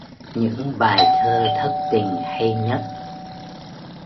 Những bài thơ thất tình hay nhất